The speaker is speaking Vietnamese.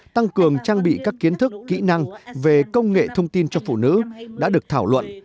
tăng cường trang bị các kiến thức kỹ năng về công nghệ thông tin cho phụ nữ đã được thảo luận